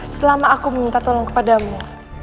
selama aku minta tolong kepadamu